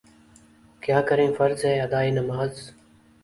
کیا کریں فرض ہے ادائے نماز